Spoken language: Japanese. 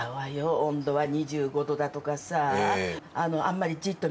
温度は２５度だとかさ。